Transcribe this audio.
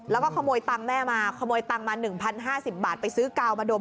แล้วก็ขโมยตังค์แม่มาขโมยตังค์มา๑๐๕๐บาทไปซื้อกาวมาดม